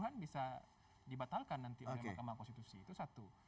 hasil pemilu secara keseluruhan bisa dibatalkan nanti oleh mahkamah konstitusi itu satu